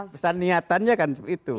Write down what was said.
pesan niatannya kan itu